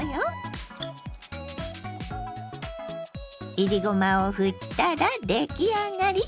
いりごまをふったら出来上がり。